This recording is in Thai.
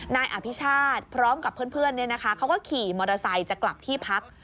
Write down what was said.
นายอภิชาติพร้อมกับเพื่อนเขาก็ขี่มอเตอร์ไซค์จะกลับที่พัก